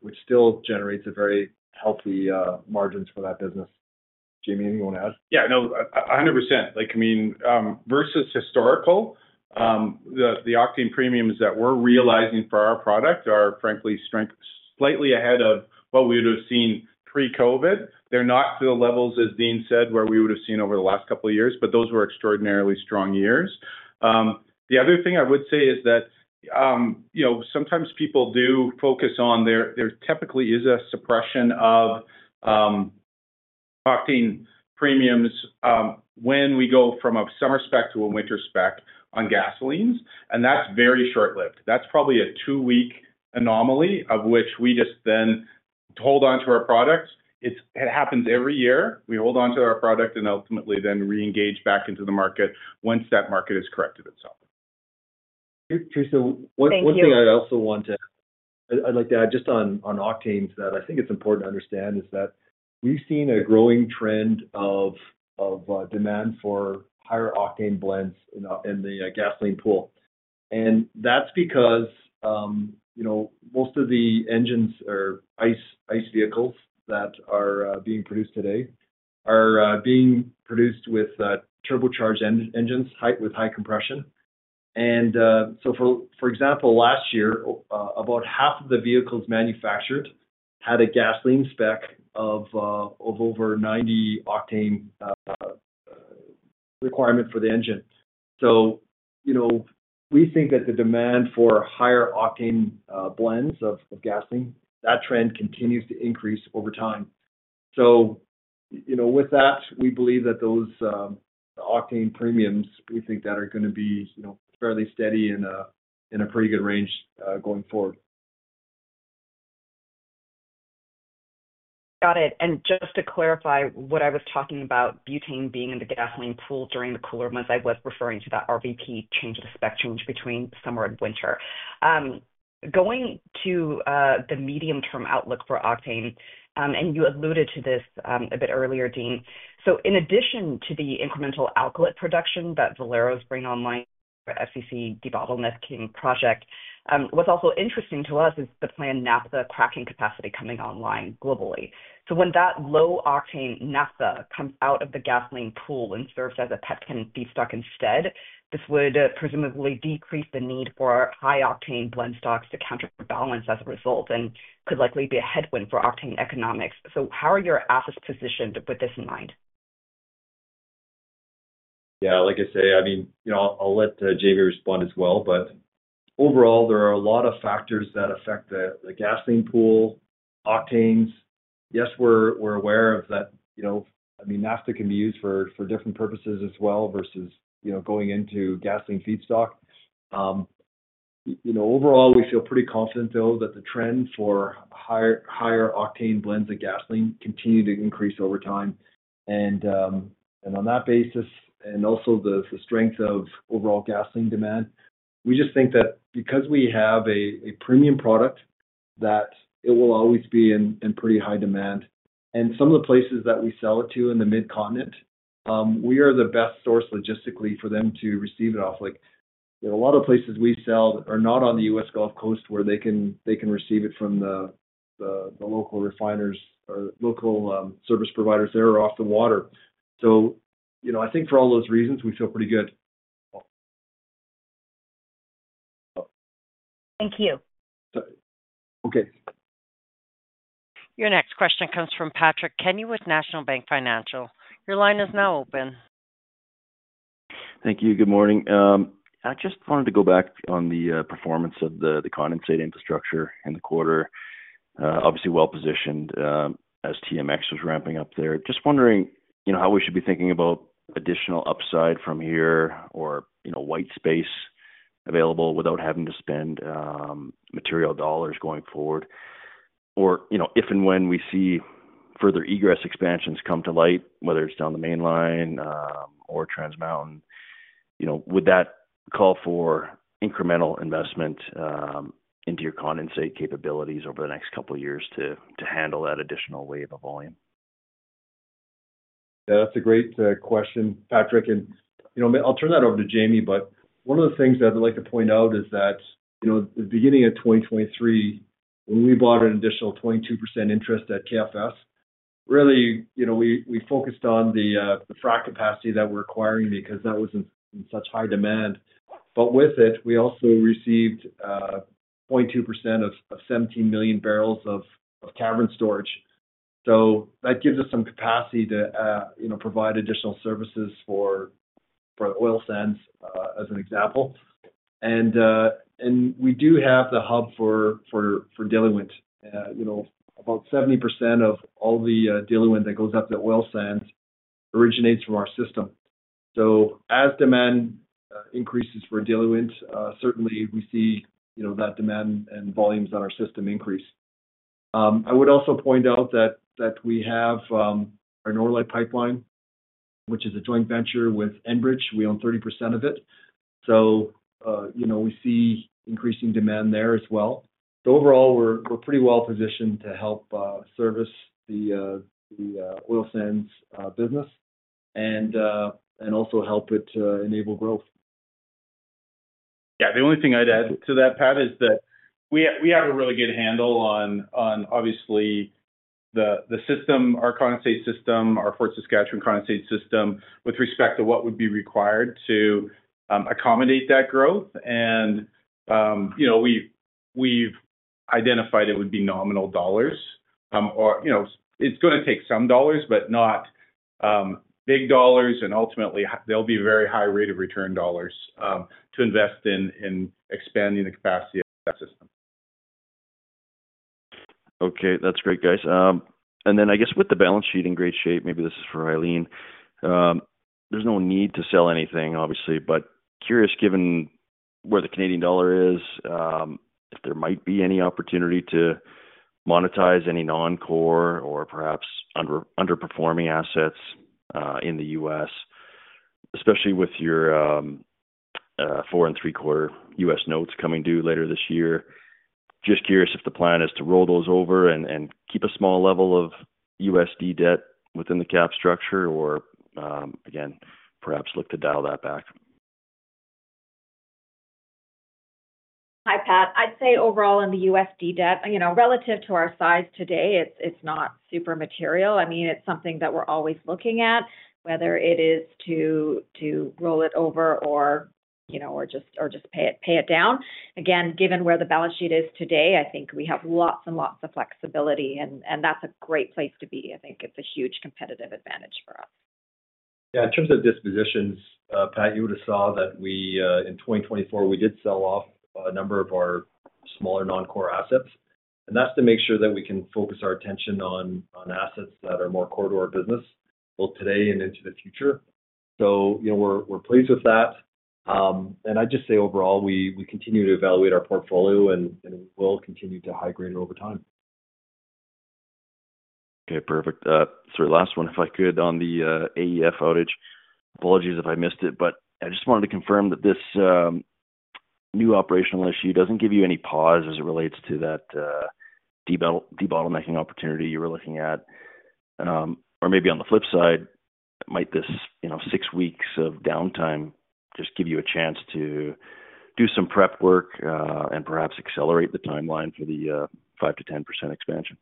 which still generates very healthy margins for that business. James, anyone else? Yeah. No, 100%. I mean, versus historical, the octane premiums that we're realizing for our product are, frankly, slightly ahead of what we would have seen pre-COVID. They're not to the levels, as Dean said, where we would have seen over the last couple of years, but those were extraordinarily strong years. The other thing I would say is that sometimes people do focus on there typically is a suppression of octane premiums when we go from a summer spec to a winter spec on gasolines, and that's very short-lived. That's probably a two-week anomaly of which we just then hold onto our products. It happens every year. We hold onto our product and ultimately then re-engage back into the market once that market has corrected itself. Theresa, one thing I also want to add. I'd like to add just on octanes that I think it's important to understand is that we've seen a growing trend of demand for higher octane blends in the gasoline pool. That's because most of the engines or ICE vehicles that are being produced today are being produced with turbocharged engines with high compression. For example, last year, about half of the vehicles manufactured had a gasoline spec of over 90 octane requirement for the engine. We think that the demand for higher octane blends of gasoline, that trend continues to increase over time. With that, we believe that those octane premiums, we think that are going to be fairly steady in a pretty good range going forward. Got it. And just to clarify what I was talking about, butane being in the gasoline pool during the cooler months, I was referring to that RVP change of the spec change between summer and winter. Going to the medium-term outlook for octane, and you alluded to this a bit earlier, Dean. So in addition to the incremental alkylate production that Valero's bringing online for the FCC debottlenecking project, what's also interesting to us is the planned naphtha cracking capacity coming online globally. So when that low-octane naphtha comes out of the gasoline pool and serves as a petchem feedstock instead, this would presumably decrease the need for high-octane blendstocks to counterbalance as a result and could likely be a headwind for octane economics. So how are your assets positioned with this in mind? Yeah. Like I say, I mean, I'll let James respond as well. But overall, there are a lot of factors that affect the gasoline pool, octanes. Yes, we're aware of that. I mean, naphtha can be used for different purposes as well versus going into gasoline feedstock. Overall, we feel pretty confident, though, that the trend for higher octane blends of gasoline continues to increase over time. And on that basis, and also the strength of overall gasoline demand, we just think that because we have a premium product, that it will always be in pretty high demand. And some of the places that we sell it to in the Mid-Continent, we are the best source logistically for them to receive it off. There are a lot of places we sell that are not on the US Gulf Coast where they can receive it from the local refiners or local service providers that are off the water. So I think for all those reasons, we feel pretty good. Thank you. Okay. Your next question comes from Patrick Kenny with National Bank Financial. Your line is now open. Thank you. Good morning. I just wanted to go back on the performance of the condensate infrastructure in the quarter. Obviously, well-positioned as TMX was ramping up there. Just wondering how we should be thinking about additional upside from here or white space available without having to spend material dollars going forward. Or if and when we see further egress expansions come to light, whether it's down the mainline or Trans Mountain, would that call for incremental investment into your condensate capabilities over the next couple of years to handle that additional wave of volume? Yeah. That's a great question, Patrick. And I'll turn that over to James, but one of the things I'd like to point out is that at the beginning of 2023, when we bought an additional 22% interest at KFS, really we focused on the frac capacity that we're acquiring because that was in such high demand. But with it, we also received 0.2% of 17 million barrels of cavern storage. So that gives us some capacity to provide additional services for oil sands as an example. And we do have the hub for diluent. About 70% of all the diluent that goes up the oil sands originates from our system. So as demand increases for diluent, certainly we see that demand and volumes on our system increase. I would also point out that we have our Norlite pipeline, which is a joint venture with Enbridge. We own 30% of it. So we see increasing demand there as well. So overall, we're pretty well-positioned to help service the oil sands business and also help it enable growth. Yeah. The only thing I'd add to that, Pat, is that we have a really good handle on, obviously, the system, our condensate system, our Fort Saskatchewan condensate system with respect to what would be required to accommodate that growth. And we've identified it would be nominal dollars. It's going to take some dollars, but not big dollars. And ultimately, there'll be a very high rate of return dollars to invest in expanding the capacity of that system. Okay. That's great, guys. And then I guess with the balance sheet in great shape, maybe this is for Eileen, there's no need to sell anything, obviously. But curious, given where the Canadian dollar is, if there might be any opportunity to monetize any non-core or perhaps underperforming assets in the US, especially with your four and three-quarter US notes coming due later this year. Just curious if the plan is to roll those over and keep a small level of USD debt within the cap structure or, again, perhaps look to dial that back. Hi, Pat. I'd say overall in the USD debt, relative to our size today, it's not super material. I mean, it's something that we're always looking at, whether it is to roll it over or just pay it down. Again, given where the balance sheet is today, I think we have lots and lots of flexibility. And that's a great place to be. I think it's a huge competitive advantage for us. Yeah. In terms of dispositions, Pat, you would have saw that in 2024, we did sell off a number of our smaller non-core assets. And that's to make sure that we can focus our attention on assets that are more core to our business both today and into the future. So we're pleased with that. And I'd just say overall, we continue to evaluate our portfolio and will continue to high grade over time. Okay. Perfect. Sorry, last one, if I could, on the AEF outage. Apologies if I missed it, but I just wanted to confirm that this new operational issue doesn't give you any pause as it relates to that debottlenecking opportunity you were looking at. Or maybe on the flip side, might this six weeks of downtime just give you a chance to do some prep work and perhaps accelerate the timeline for the 5% to 10% expansion?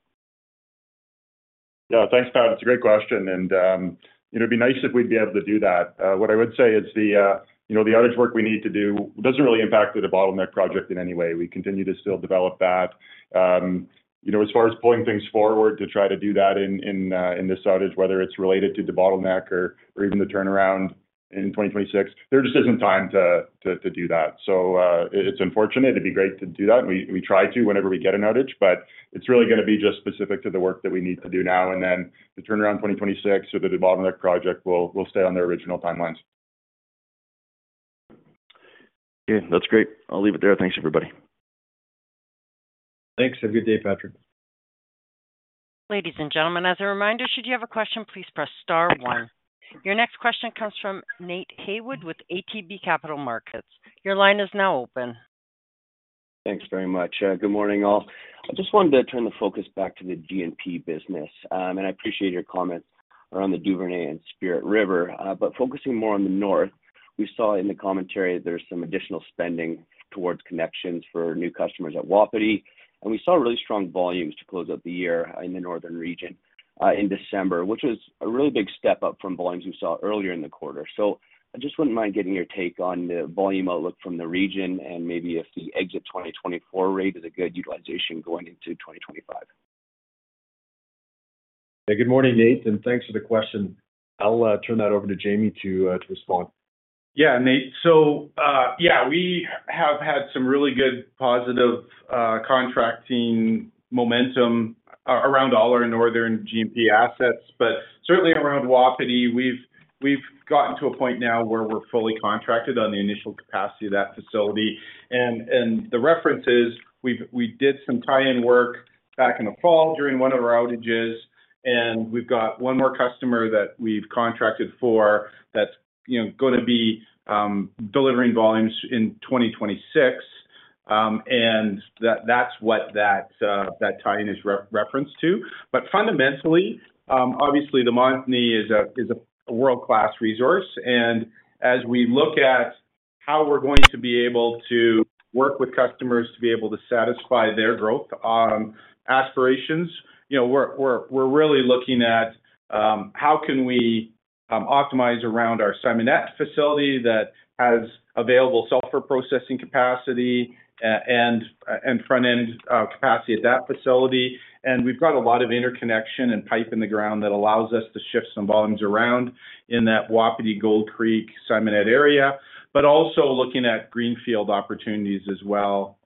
Yeah. Thanks, Pat. It's a great question. And it'd be nice if we'd be able to do that. What I would say is the outage work we need to do doesn't really impact the debottleneck project in any way. We continue to still develop that. As far as pulling things forward to try to do that in this outage, whether it's related to debottleneck or even the turnaround in 2026, there just isn't time to do that. So it's unfortunate. It'd be great to do that. We try to whenever we get an outage, but it's really going to be just specific to the work that we need to do now. And then the turnaround 2026 or the debottleneck project will stay on their original timelines. Okay. That's great. I'll leave it there. Thanks, everybody. Thanks. Have a good day, Patrick. Ladies and gentlemen, as a reminder, should you have a question, please press star one. Your next question comes from Nate Heywood with ATB Capital Markets. Your line is now open. Thanks very much. Good morning, all. I just wanted to turn the focus back to the G&P business and I appreciate your comments around the Duvernay and Spirit River, but focusing more on the north, we saw in the commentary there's some additional spending towards connections for new customers at Wapiti and we saw really strong volumes to close out the year in the northern region in December, which was a really big step up from volumes we saw earlier in the quarter, so I just wouldn't mind getting your take on the volume outlook from the region and maybe if the exit 2024 rate is a good utilization going into 2025. Good morning, Nate. And thanks for the question. I'll turn that over to James to respond. Yeah, Nate. So yeah, we have had some really good positive contracting momentum around all our northern G&P assets. But certainly around Wapiti, we've gotten to a point now where we're fully contracted on the initial capacity of that facility. And the reference is we did some tie-in work back in the fall during one of our outages. And we've got one more customer that we've contracted for that's going to be delivering volumes in 2026. And that's what that tie-in is referenced to. But fundamentally, obviously, the Montney is a world-class resource. And as we look at how we're going to be able to work with customers to be able to satisfy their growth aspirations, we're really looking at how can we optimize around our Simonette facility that has available sulfur processing capacity and front-end capacity at that facility. And we've got a lot of interconnection and pipe in the ground that allows us to shift some volumes around in that Wapiti, Gold Creek, Simonette area, but also looking at greenfield opportunities as well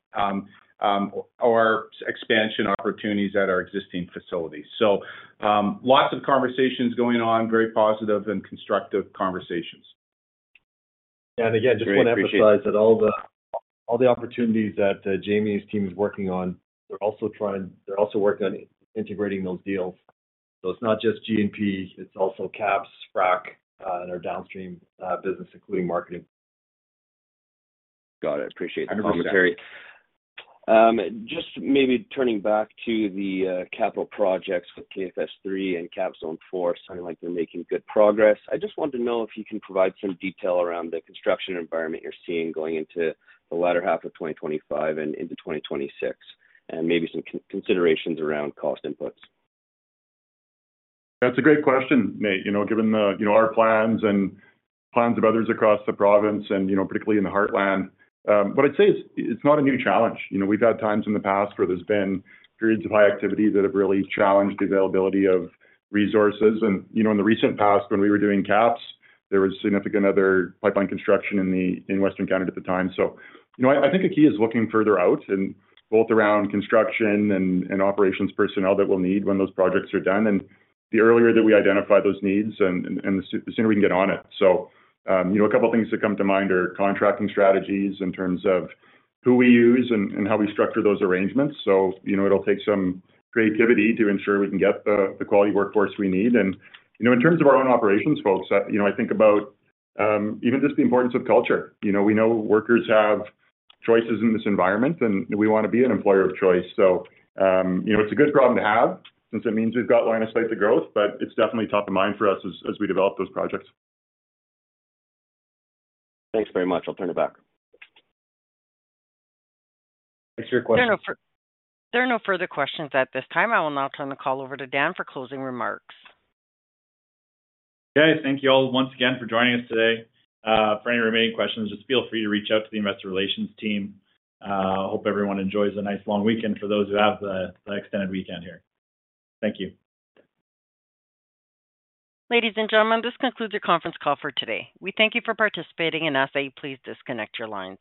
or expansion opportunities at our existing facilities. So lots of conversations going on, very positive and constructive conversations. Yeah. And again, just want to emphasize that all the opportunities that James's team is working on, they're also working on integrating those deals. So it's not just G&P. It's also KAPS, FRAC, and our downstream business, including marketing. Got it. Appreciate that. I understand. Just maybe turning back to the capital projects with KFS III and KAPS Zone 4, sounding like they're making good progress. I just wanted to know if you can provide some detail around the construction environment you're seeing going into the latter half of 2025 and into 2026, and maybe some considerations around cost inputs. That's a great question, Nate, given our plans and plans of others across the province, and particularly in the heartland. What I'd say is it's not a new challenge. We've had times in the past where there's been periods of high activity that have really challenged the availability of resources, and in the recent past, when we were doing KAPS, there was significant other pipeline construction in Western Canada at the time, so I think the key is looking further out and both around construction and operations personnel that we'll need when those projects are done, and the earlier that we identify those needs, the sooner we can get on it, so a couple of things that come to mind are contracting strategies in terms of who we use and how we structure those arrangements, so it'll take some creativity to ensure we can get the quality workforce we need. And in terms of our own operations, folks, I think about even just the importance of culture. We know workers have choices in this environment, and we want to be an employer of choice. So it's a good problem to have since it means we've got line of sight to growth, but it's definitely top of mind for us as we develop those projects. Thanks very much. I'll turn it back. Thanks for your questions. There are no further questions at this time. I will now turn the call over to Dan for closing remarks. Okay. Thank you all once again for joining us today. For any remaining questions, just feel free to reach out to the investor relations team. I hope everyone enjoys a nice long weekend for those who have the extended weekend here. Thank you. Ladies and gentlemen, this concludes your conference call for today. We thank you for participating and ask that you please disconnect your lines.